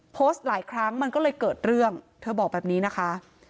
โพสต์หลายครั้งมันก็เลยเกิดเรื่องเธอบอกแบบนี้นะคะ